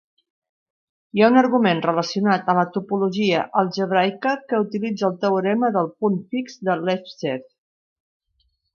Hi ha un argument relacionat de la topologia algebraica que utilitza el teorema del punt fix de Lefschetz.